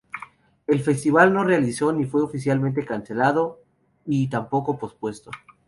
El Festival no se realizó, ni fue oficialmente cancelado y tampoco pospuesto.